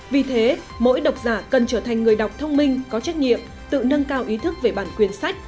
vì thế mỗi đọc giả cần trở thành người đọc thông minh có trách nhiệm tự nâng cao ý thức về bản quyền sách